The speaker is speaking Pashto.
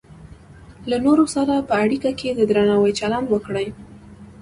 له نورو سره په اړیکه کې د درناوي چلند وکړئ.